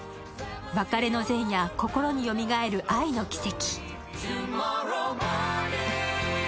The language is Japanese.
別れの前夜、心によみがえる愛の軌跡。